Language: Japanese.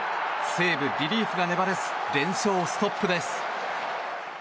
西武、リリーフが粘れず連勝ストップです。